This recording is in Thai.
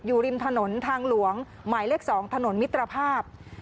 อยู่ริมถนนทางหลวงหมายเลข๒ถนนมิตรภาพ